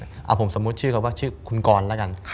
เอาผมสมมุติว่าชื่อคือคุณกรแล้วกัน